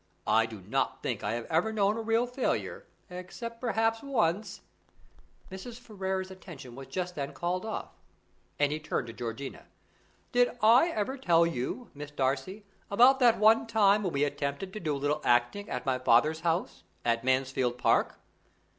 I do not think I have ever known a real failure, except perhaps once " Mrs. Ferrars's attention was just then called off, and he turned to Georgiana. "Did I ever tell you, Miss Darcy, about that one time when we attempted to do a little acting at my father's house at Mansfield Park?"